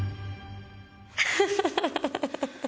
フフフフ。